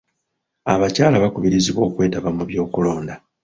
Abakyala bakubirizibwa okwetaba mu by'okulonda.